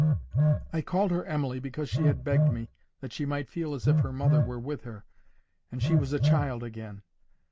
I called her Emily because she had begged me, that she might feel as if her mother were with her, and she was a child again.